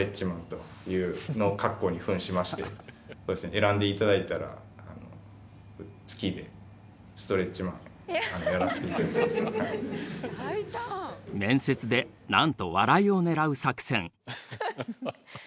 選んで頂いたら面接でなんと笑いを狙う作戦。